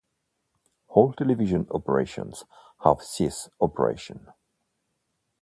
All television operations have ceased operation.